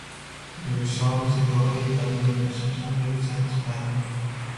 The result is evocative but not necessarily satisfying.